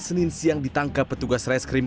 senin siang ditangkap petugas reskrim